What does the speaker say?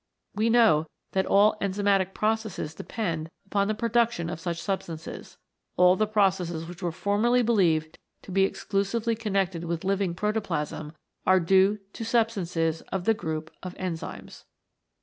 We know that all enzymatic processes depend upon the production of such substances. All the processes which were formerly believed to be exclusively connected with living protoplasm are due to substances of the group of Enzymes.